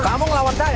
kamu melawan saya